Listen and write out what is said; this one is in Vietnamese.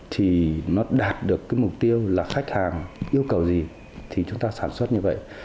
thì nó đạt được cái mục tiêu là khách hàng yêu cầu gì thì chúng ta sản xuất như vậy